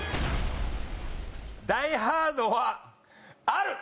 「ダイ・ハード」はある！